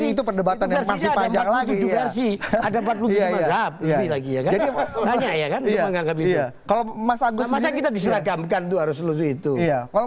itu perdebatan yang masih panjang lagi ada empat puluh tujuh versi ada empat puluh lima zab ini lagi ya kan nanya ya kan